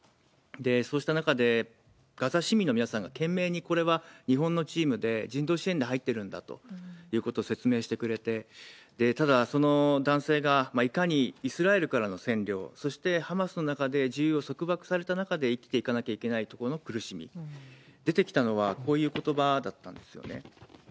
そうした中で、ガザ市民の皆さんが懸命に、これは日本のチームで、人道支援で入ってるんだということを説明してくれて、ただ、その男性がいかにイスラエルからの占領、そしてハマスの中で自由を束縛された中で生きていかなきゃいけないところの苦しみ、出てきたのはこういうことばだったんですよね。